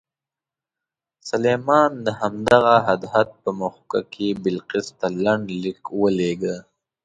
سلیمان د همدغه هدهد په مښوکه کې بلقیس ته لنډ لیک ولېږه.